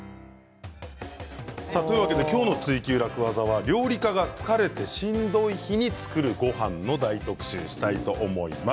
今日の「ツイＱ楽ワザ」は料理家が疲れてしんどい日に作るごはんを特集したいと思います。